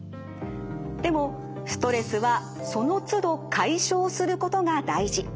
でもストレスはその都度解消することが大事。